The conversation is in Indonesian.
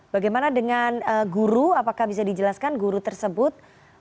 bagaimana dengan guru apakah bisa dijelaskan guru tersebut